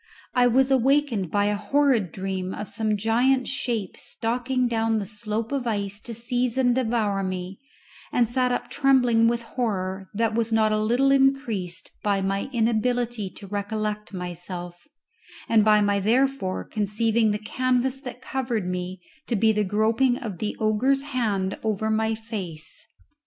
I was awakened by a horrid dream of some giant shape stalking down the slope of ice to seize and devour me, and sat up trembling with horror that was not a little increased by my inability to recollect myself, and by my therefore conceiving the canvas that covered me to be the groping of the ogre's hand over my face.